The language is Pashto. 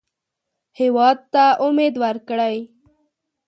هېواد ته امید ورکړئ